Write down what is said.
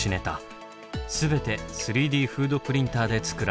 全て３Ｄフードプリンターで作られたもの。